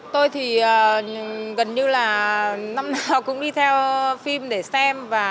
tôi thì gần như là năm nào cũng đi theo phim để xem